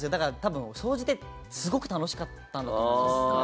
すごく楽しかったんだと思います。